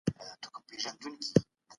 ځوانان باید نوي مهارتونه زده کړي.